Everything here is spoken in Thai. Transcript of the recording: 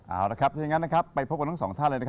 เอาล่ะครับซึ่งอย่างนั้นไปพบกันทั้งสองท่านเลย